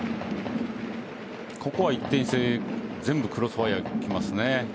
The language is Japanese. ここは一転して全部クロスファイヤーできますね。